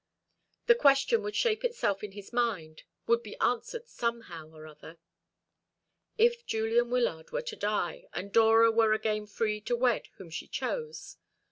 The question would shape itself in his mind, would be answered somehow or other. If Julian Wyllard were to die, and Dora were again free to wed whom she chose?